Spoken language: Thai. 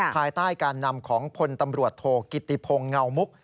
ภายใต้การนำของพลตำรวจโทกิติพงศ์เงามุก